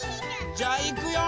じゃあいくよ。